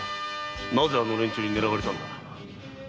なぜあの連中に狙われたんだ？